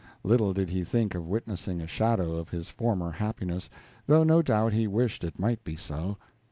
Little did he think of witnessing a shadow of his former happiness, though no doubt he wished it might be so.